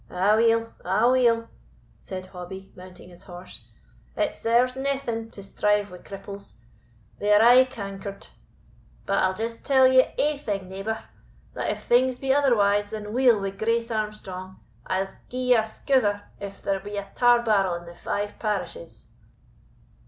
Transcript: "Aweel, aweel," said Hobbie, mounting his horse, "it serves naething to strive wi' cripples, they are aye cankered; but I'll just tell ye ae thing, neighbour, that if things be otherwise than weel wi' Grace Armstrong, I'se gie you a scouther if there be a tar barrel in the five parishes."